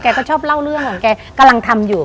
ก็ชอบเล่าเรื่องของแกกำลังทำอยู่